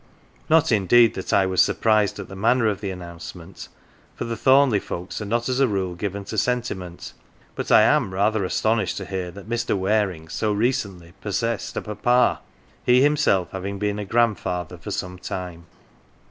Not indeed that I was surprised at the manner of the announcement, for the Thornleigh folks are not as a rule given to sentiment, but I am rather astonished to hear that Mr. Waring so recently possessed a papa, he himself having been a grandfather for some time.